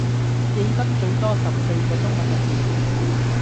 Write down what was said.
記得最多十四個中文字